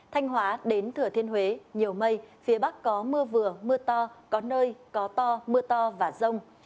thanh hóa đến thừa thiên huế nhiều mây phía bắc có mưa vừa mưa to có nơi có to mưa to và rông